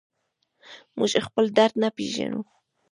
موږ خپل درد نه پېژنو.